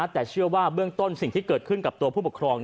แต่เชื่อว่าเบื้องต้นสิ่งที่เกิดขึ้นกับตัวผู้ปกครอง